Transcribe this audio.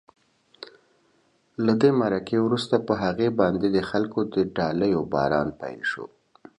له دې مرکې وروسته په هغې باندې د خلکو د ډالیو باران پیل شو.